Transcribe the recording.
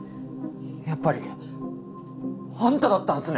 やっぱりあんただったんすね。